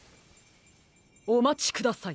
おまちください。